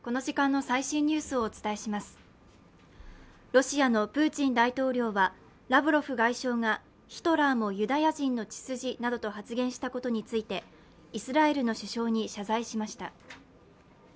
ロシアのプーチン大統領は、ラブロフ外相がヒトラーもユダヤ人の血筋などと発言したことについてイスラエルの首相に謝罪しました。